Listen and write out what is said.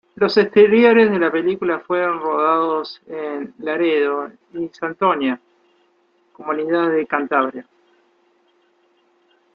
Los exteriores de la película fueron rodados en Laredo y Santoña, comunidad de Cantabria.